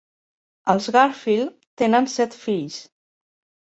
Els Garfield tenen set fills.